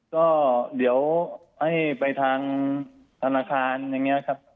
ก็เดี๋ยวให้ไปทางธนาคารอย่างนี้ครับ